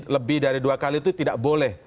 lebih dari dua kali itu tidak boleh